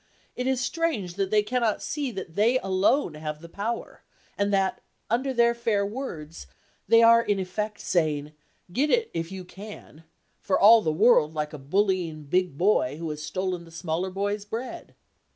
It is strange that they cannot see that they alone have the power, and that, under their fair words, they are in effect saying, "Get it, if you can," for all the world like a bullying big boy who has stolen the smaller boy's bread.